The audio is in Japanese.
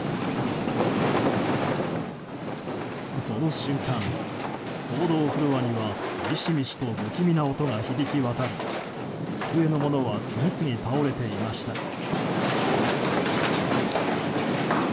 その瞬間、報道フロアにはみしみしと不気味な音が響き渡り机のものは次々倒れていました。